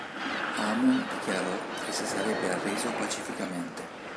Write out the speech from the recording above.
Amon dichiarò che si sarebbe arreso pacificamente.